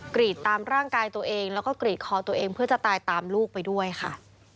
กรีดตามร่างกายตัวเองแล้วก็กรีดคอตัวเองเพื่อจะตายตามลูกไปด้วยค่ะ